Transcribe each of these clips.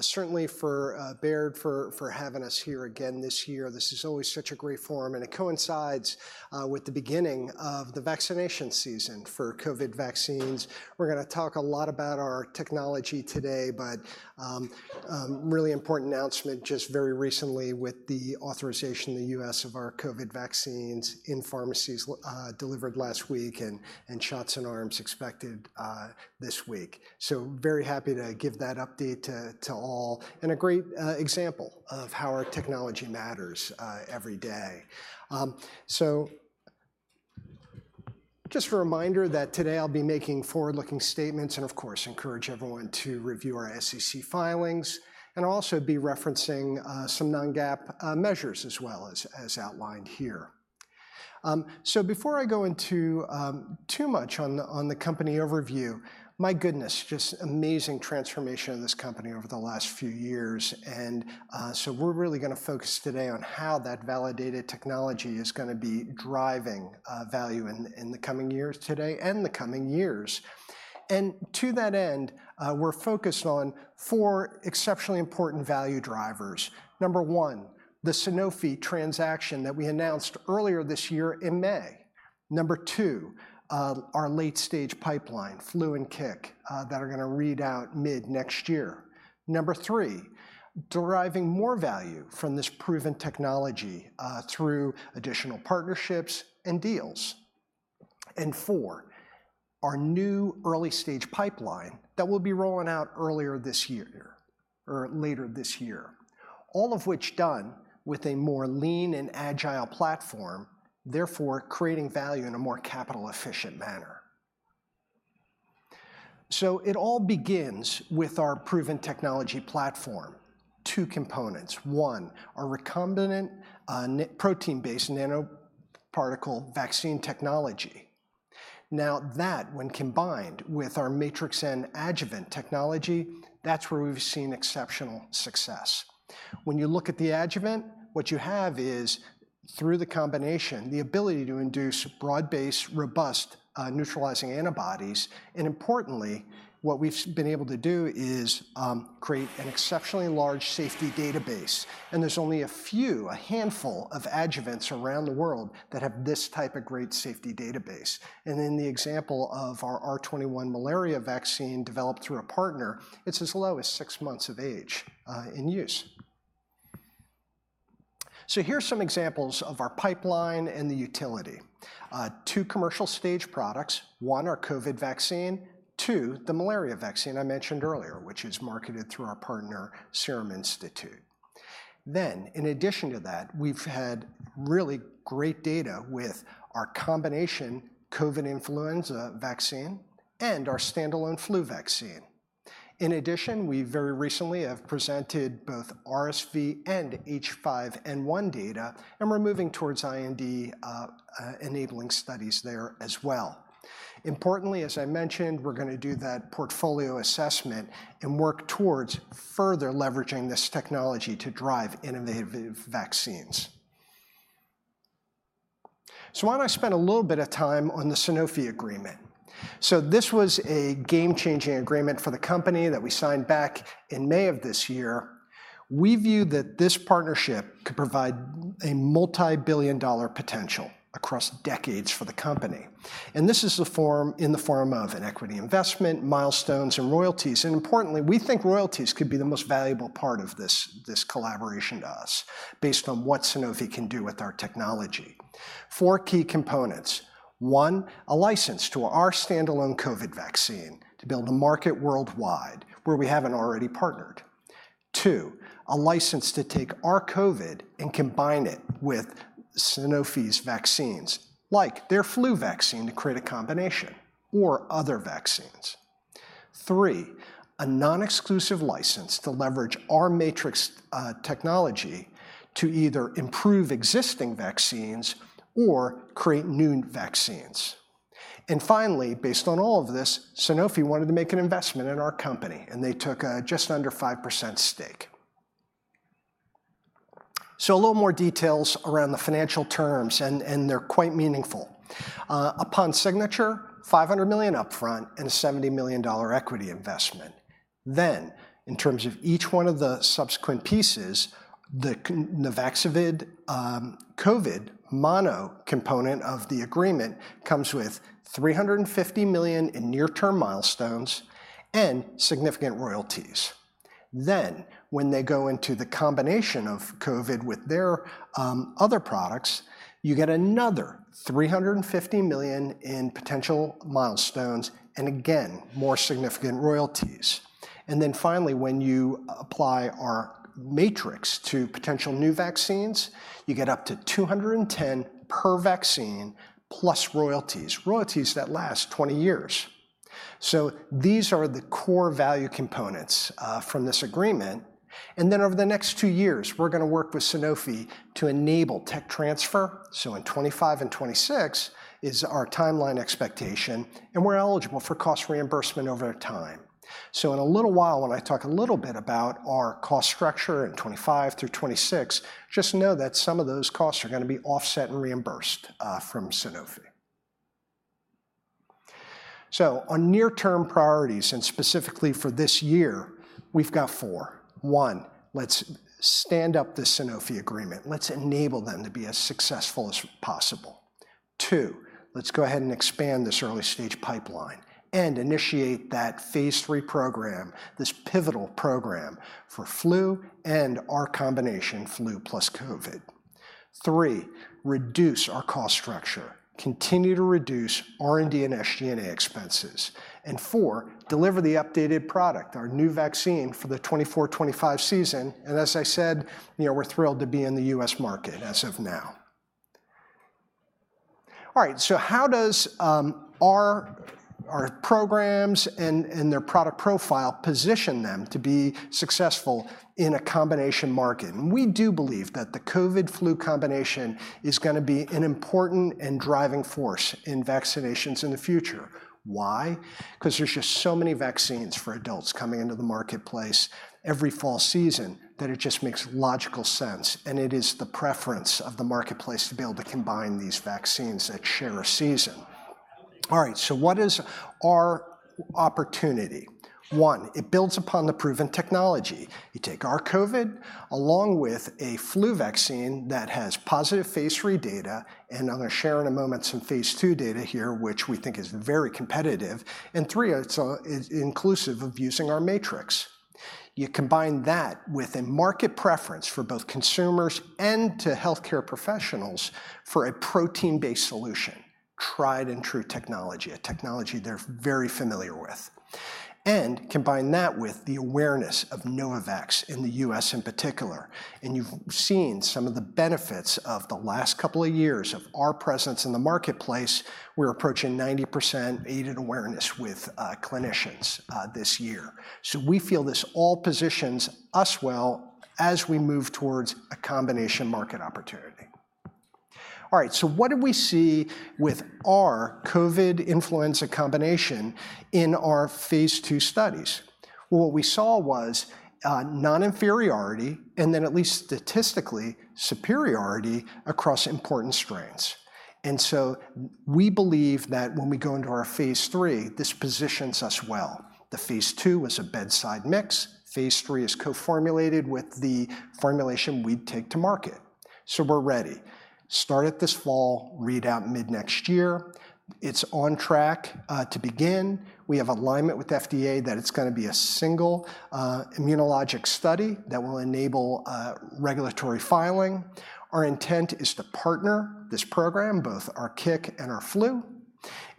Certainly for Baird for having us here again this year. This is always such a great forum, and it coincides with the beginning of the vaccination season for COVID vaccines. We're gonna talk a lot about our technology today, but really important announcement just very recently with the authorization in the U.S. of our COVID vaccines in pharmacies last week, and shots in arms expected this week. Very happy to give that update to all, and a great example of how our technology matters every day. So just a reminder that today I'll be making forward-looking statements and, of course, encourage everyone to review our SEC filings, and also be referencing some non-GAAP measures as well as outlined here. So before I go into too much on the company overview, my goodness, just amazing transformation in this company over the last few years, and so we're really gonna focus today on how that validated technology is gonna be driving value in the coming years today and the coming years. And to that end, we're focused on four exceptionally important value drivers. Number one, the Sanofi transaction that we announced earlier this year in May. Number two, our late-stage pipeline, flu and CIC, that are gonna read out mid-next year. Number three, deriving more value from this proven technology through additional partnerships and deals. And four, our new early-stage pipeline that we'll be rolling out earlier this year or later this year, all of which done with a more lean and agile platform, therefore, creating value in a more capital-efficient manner. So it all begins with our proven technology platform. Two components: one, our recombinant, next protein-based nanoparticle vaccine technology. Now that when combined with our Matrix-M adjuvant technology, that's where we've seen exceptional success. When you look at the adjuvant, what you have is, through the combination, the ability to induce broad-based, robust, neutralizing antibodies, and importantly, what we've been able to do is, create an exceptionally large safety database, and there's only a few, a handful of adjuvants around the world that have this type of great safety database. In the example of our R21 malaria vaccine developed through a partner, it's as low as six months of age, in use. Here's some examples of our pipeline and the utility. Two commercial stage products, one, our COVID vaccine, two, the malaria vaccine I mentioned earlier, which is marketed through our partner, Serum Institute. In addition to that, we've had really great data with our combination COVID influenza vaccine and our standalone flu vaccine. In addition, we very recently have presented both RSV and H5N1 data, and we're moving towards IND-enabling studies there as well. Importantly, as I mentioned, we're gonna do that portfolio assessment and work towards further leveraging this technology to drive innovative vaccines. I want to spend a little bit of time on the Sanofi agreement. This was a game-changing agreement for the company that we signed back in May of this year. We view that this partnership could provide a multibillion-dollar potential across decades for the company, and this is in the form of an equity investment, milestones, and royalties. Importantly, we think royalties could be the most valuable part of this collaboration to us, based on what Sanofi can do with our technology. Four key components: one, a license to our standalone COVID vaccine to build a market worldwide where we haven't already partnered. Two, a license to take our COVID and combine it with Sanofi's vaccines, like their flu vaccine, to create a combination or other vaccines. Three, a non-exclusive license to leverage our Matrix technology to either improve existing vaccines or create new vaccines. And finally, based on all of this, Sanofi wanted to make an investment in our company, and they took a just under 5% stake. So a little more details around the financial terms, and they're quite meaningful. Upon signature, $500 million upfront and a $70 million equity investment. Then, in terms of each one of the subsequent pieces, the Nuvaxovid COVID mono component of the agreement comes with $350 million in near-term milestones and significant royalties. Then, when they go into the combination of COVID with their other products, you get another $350 million in potential milestones, and again, more significant royalties. And then finally, when you apply our Matrix to potential new vaccines, you get up to $210 per vaccine, plus royalties, royalties that last 20 years. So these are the core value components from this agreement, and then over the next two years, we're gonna work with Sanofi to enable tech transfer, so in 2025 and 2026 is our timeline expectation, and we're eligible for cost reimbursement over time. So in a little while, when I talk a little bit about our cost structure in 2025 through 2026, just know that some of those costs are gonna be offset and reimbursed from Sanofi. So on near-term priorities, and specifically for this year, we've got four. One, let's stand up the Sanofi agreement. Let's enable them to be as successful as possible. Two, let's go ahead and expand this early-stage pipeline and initiate that phase three program, this pivotal program for flu and our combination flu plus COVID. Three, reduce our cost structure. Continue to reduce R&D and SG&A expenses. And four, deliver the updated product, our new vaccine, for the 2024-2025 season, and as I said, you know, we're thrilled to be in the U.S. market as of now. All right, so how does our programs and their product profile position them to be successful in a combination market? And we do believe that the COVID-flu combination is gonna be an important and driving force in vaccinations in the future. Why? Because there's just so many vaccines for adults coming into the marketplace every fall season, that it just makes logical sense, and it is the preference of the marketplace to be able to combine these vaccines that share a season. All right, so what is our opportunity? One, it builds upon the proven technology. You take our COVID, along with a flu vaccine that has positive phase 3 data, and I'm gonna share in a moment some phase 2 data here, which we think is very competitive, and three, it's inclusive of using our Matrix-M. You combine that with a market preference for both consumers and to healthcare professionals for a protein-based solution, tried-and-true technology, a technology they're very familiar with. Combine that with the awareness of Novavax in the U.S. in particular, and you've seen some of the benefits of the last couple of years of our presence in the marketplace. We're approaching 90% aided awareness with clinicians this year. So we feel this all positions us well as we move towards a combination market opportunity. All right, so what did we see with our COVID influenza combination in our phase 2 studies? What we saw was non-inferiority, and then at least statistically, superiority across important strains. So we believe that when we go into our phase three, this positions us well. The phase two was a bedside mix. Phase three is co-formulated with the formulation we'd take to market. So we're ready. Start it this fall, read out mid-next year. It's on track to begin. We have alignment with FDA that it's gonna be a single immunologic study that will enable regulatory filing. Our intent is to partner this program, both our CIC and our flu,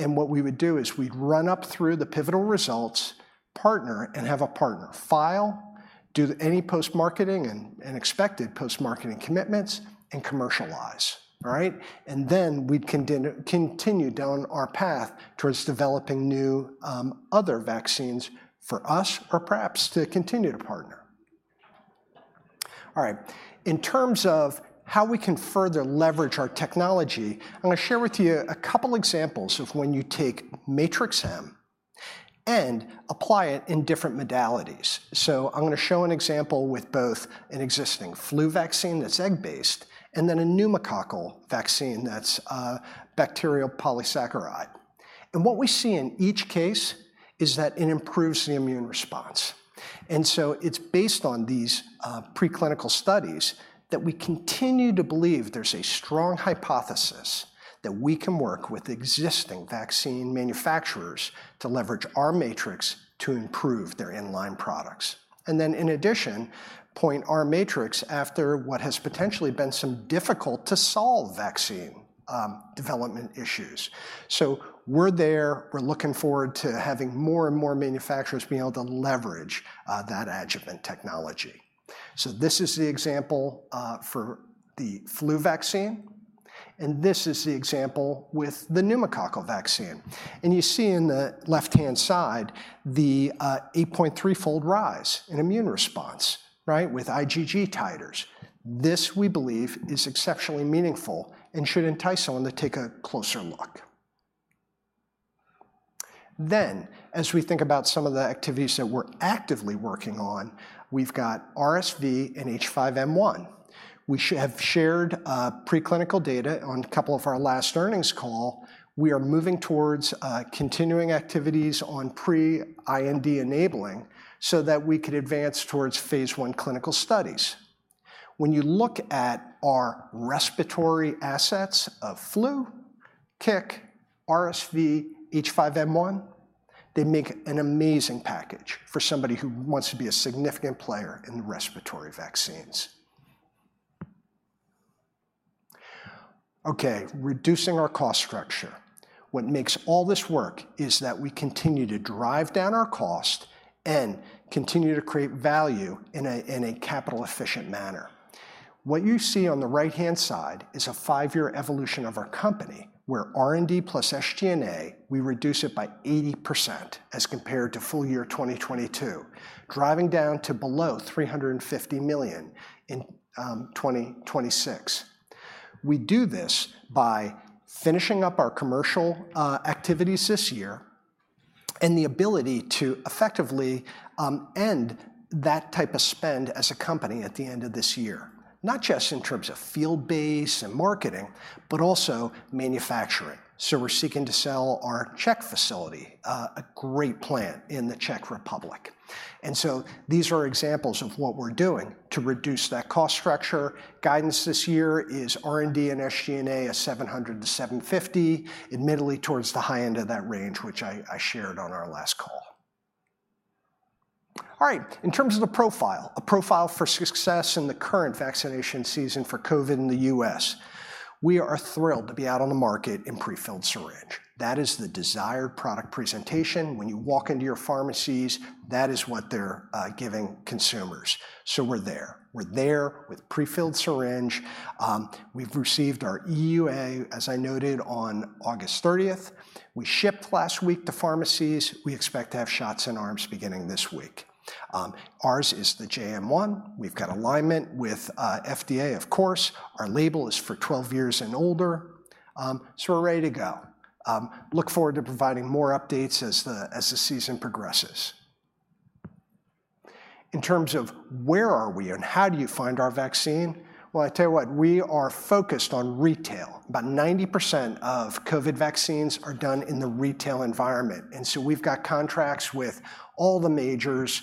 and what we would do is, we'd run up through the pivotal results, partner, and have a partner file, do any post-marketing and expected post-marketing commitments, and commercialize. All right? We'd continue down our path towards developing new, other vaccines for us or perhaps to continue to partner. All right, in terms of how we can further leverage our technology, I'm gonna share with you a couple examples of when you take Matrix-M and apply it in different modalities. I'm gonna show an example with both an existing flu vaccine that's egg-based and then a pneumococcal vaccine that's a bacterial polysaccharide. What we see in each case is that it improves the immune response, and so it's based on these preclinical studies that we continue to believe there's a strong hypothesis that we can work with existing vaccine manufacturers to leverage our Matrix-M to improve their in-line products. In addition, point our Matrix-M after what has potentially been some difficult-to-solve vaccine development issues. We're there. We're looking forward to having more and more manufacturers being able to leverage that adjuvant technology. So this is the example for the flu vaccine, and this is the example with the pneumococcal vaccine, and you see in the left-hand side the eight-point-three-fold rise in immune response, right? With IgG titers. This, we believe, is exceptionally meaningful and should entice someone to take a closer look. Then, as we think about some of the activities that we're actively working on, we've got RSV and H5N1. We have shared preclinical data on a couple of our last earnings call. We are moving towards continuing activities on pre-IND enabling so that we could advance towards phase one clinical studies. When you look at our respiratory assets of flu, CIC, RSV, H5N1, they make an amazing package for somebody who wants to be a significant player in respiratory vaccines. Okay, reducing our cost structure. What makes all this work is that we continue to drive down our cost and continue to create value in a capital-efficient manner. What you see on the right-hand side is a five-year evolution of our company, where R&D plus SG&A, we reduce it by 80% as compared to full year 2022, driving down to below $350 million in 2026. We do this by finishing up our commercial activities this year and the ability to effectively end that type of spend as a company at the end of this year, not just in terms of field-based and marketing, but also manufacturing. We're seeking to sell our Czech facility, a great plant in the Czech Republic. These are examples of what we're doing to reduce that cost structure. Guidance this year is R&D and SG&A of $700-$750, admittedly towards the high end of that range, which I shared on our last call. All right, in terms of the profile, a profile for success in the current vaccination season for COVID in the U.S., we are thrilled to be out on the market in prefilled syringe. That is the desired product presentation. When you walk into your pharmacies, that is what they're giving consumers. We're there. We're there with prefilled syringe. We've received our EUA, as I noted, on August thirtieth. We shipped last week to pharmacies. We expect to have shots in arms beginning this week. Ours is the JN.1. We've got alignment with FDA, of course. Our label is for twelve years and older. We're ready to go. Look forward to providing more updates as the season progresses. In terms of where are we and how do you find our vaccine? I tell you what, we are focused on retail. About 90% of COVID vaccines are done in the retail environment, and so we've got contracts with all the majors.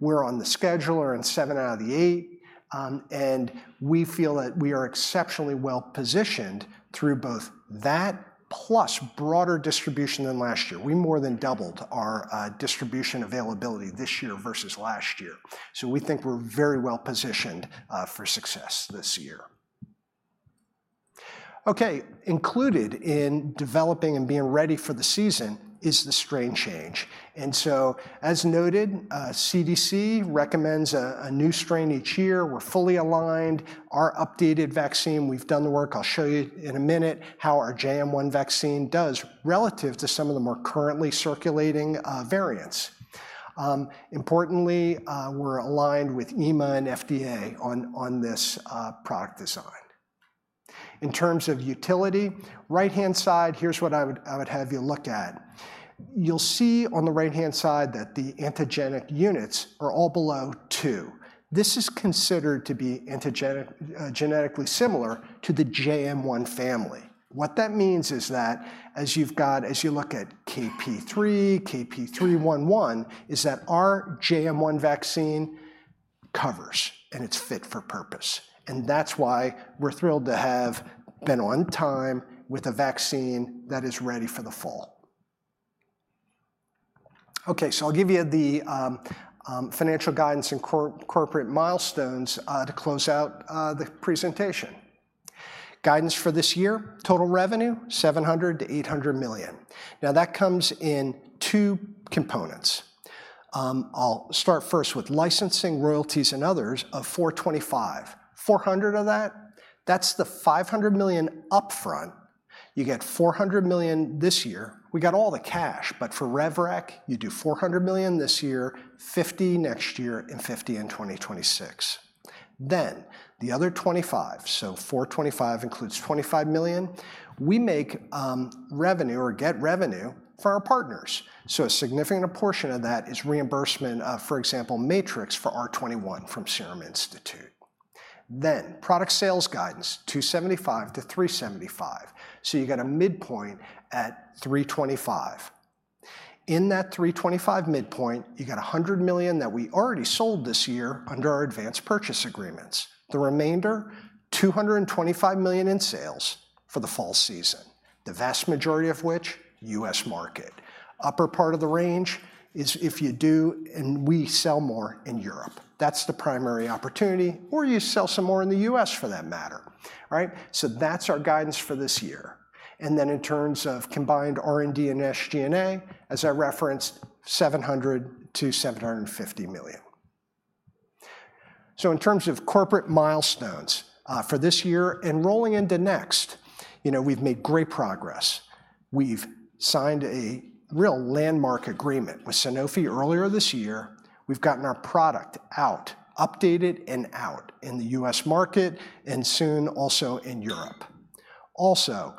We're on the schedule or in seven out of the eight, and we feel that we are exceptionally well-positioned through both that plus broader distribution than last year. We more than doubled our distribution availability this year versus last year. We think we're very well-positioned for success this year. Okay, included in developing and being ready for the season is the strain change, and so, as noted, CDC recommends a new strain each year. We're fully aligned. Our updated vaccine, we've done the work. I'll show you in a minute how our JN.1 vaccine does relative to some of the more currently circulating variants. Importantly, we're aligned with EMA and FDA on this product design. In terms of utility, right-hand side, here's what I would have you look at. You'll see on the right-hand side that the antigenic units are all below two. This is considered to be antigenic, genetically similar to the JN.1 family. What that means is that as you've got... As you look at KP.3, KP.3.1.1, is that our JN.1 vaccine covers, and it's fit for purpose, and that's why we're thrilled to have been on time with a vaccine that is ready for the fall. Okay, so I'll give you the financial guidance and corporate milestones to close out the presentation. Guidance for this year, total revenue $700-$800 million. Now, that comes in two components. I'll start first with licensing, royalties, and others of $425 million. $400 million of that, that's the $500 million upfront. You get $400 million this year. We got all the cash, but for rev rec, you do $400 million this year, $50 million next year, and $50 million in 2026. Then the other twenty-five, so $425 million includes $25 million. We make revenue or get revenue for our partners, so a significant portion of that is reimbursement, for example, Matrix-M for R21 from Serum Institute. Then product sales guidance $275-$375 million, so you get a midpoint at $325 million. In that $325 million midpoint, you got $100 million that we already sold this year under our advance purchase agreements. The remainder, $225 million in sales for the fall season, the vast majority of which, U.S. market. Upper part of the range is if you do, and we sell more in Europe. That's the primary opportunity, or you sell some more in the U.S. for that matter, right? So that's our guidance for this year, and then in terms of combined R&D and SG&A, as I referenced, $700-$750 million. In terms of corporate milestones, for this year and rolling into next, you know, we've made great progress. We've signed a real landmark agreement with Sanofi earlier this year. We've gotten our product out, updated and out in the U.S. market and soon also in Europe. Also,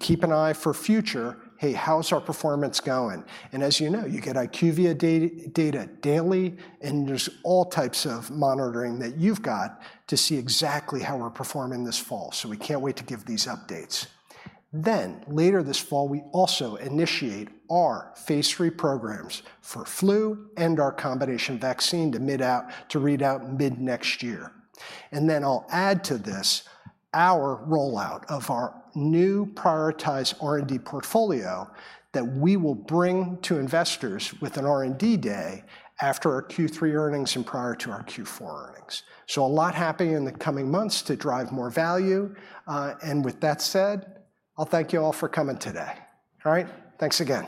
keep an eye for future, hey, how is our performance going? As you know, you get IQVIA data daily, and there's all types of monitoring that you've got to see exactly how we're performing this fall. We can't wait to give these updates. Later this fall, we also initiate our phase 3 programs for flu and our combination vaccine to read out mid-next year. And then I'll add to this our rollout of our new prioritized R&D portfolio that we will bring to investors with an R&D day after our Q3 earnings and prior to our Q4 earnings. So a lot happening in the coming months to drive more value, and with that said, I'll thank you all for coming today. All right, thanks again.